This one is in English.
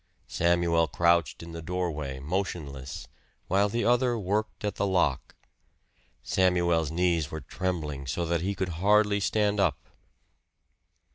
Samuel crouched in the doorway, motionless, while the other worked at the lock. Samuel's knees were trembling so that he could hardly stand up.